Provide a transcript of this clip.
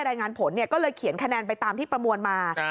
รายงานผลก็เลยเขียนคะแนนไปตามที่ประมวลมา